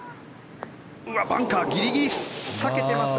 バンカーギリギリ避けてますが。